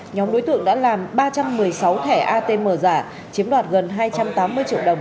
nhóm đối tượng đã làm ba trăm một mươi sáu thẻ atm giả chiếm đoạt gần hai trăm tám mươi triệu đồng